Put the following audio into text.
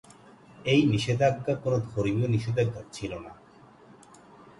এই নিষেধাজ্ঞা কোনো ধর্মীয় নিষেধাজ্ঞা ছিল না।